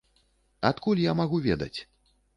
Адкуль я магу ведаць?